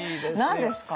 何ですか？